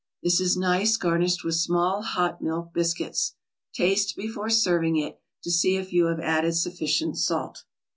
This is nice garnished with small hot milk biscuits. Taste before serving it, to see if you have added sufficient salt.